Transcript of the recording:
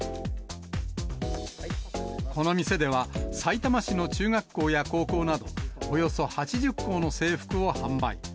この店では、さいたま市の中学校や高校など、およそ８０校の制服を販売。